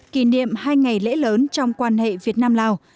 kỷ niệm hai ngày lễ lớn trong quan hệ việt nam lào